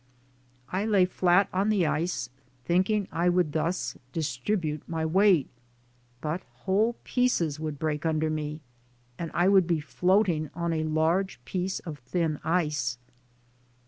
I lay flat on the ice, thinking I could thus distribute my weight, but whole pieces would break under me and I would be floating on a large piece of thin ice.